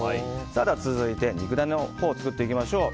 続いて、肉ダネのほうを作っていきましょう。